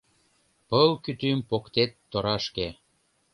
Пыл кӱтӱм поктет торашке